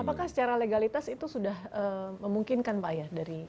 apakah secara legalitas itu sudah memungkinkan pak ya